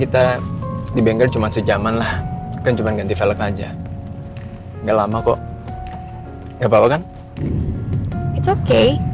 kita di bengkel cuma sejaman lah kan cuman ganti velg aja enggak lama kok nggak papa kan itu oke